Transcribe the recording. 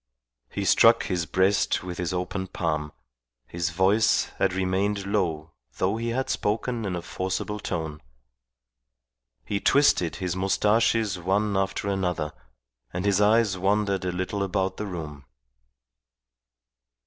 He struck his breast with his open palm; his voice had remained low though he had spoken in a forcible tone. He twisted his moustaches one after another, and his eyes wandered a little about the room.